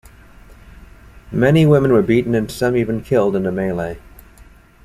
Many women were beaten and some even killed in the melee.